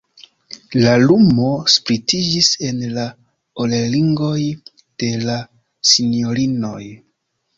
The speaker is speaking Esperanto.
La lumo splitiĝis en la orelringoj de la sinjorinoj.